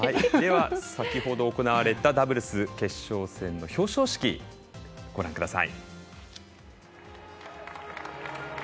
先ほど行われたダブルス決勝戦の表彰式をご覧ください。